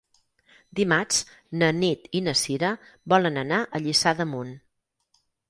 Dimarts na Nit i na Cira volen anar a Lliçà d'Amunt.